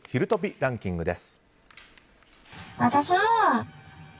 ランキングです。